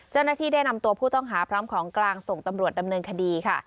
เจ้าหน้าที่ได้นำตัวผู้ต้องหาพร้อมของกลางส่งตำรวจดำเนินคดีค่ะ